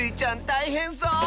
たいへんそう！